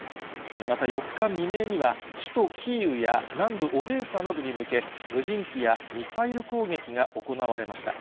また４日未明には、首都キーウや南部オデーサなどに向け、無人機やミサイル攻撃が行われました。